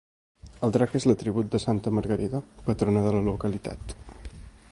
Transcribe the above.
El drac és l'atribut de santa Margarida, patrona de la localitat.